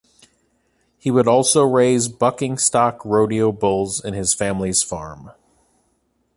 He would also raise bucking stock rodeo bulls in his family's farm.